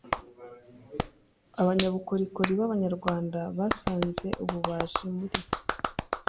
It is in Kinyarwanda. Abanyabukorikori b’Abanyarwanda basanze ububaji muri